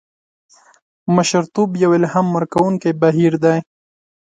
مشرتوب یو الهام ورکوونکی بهیر دی.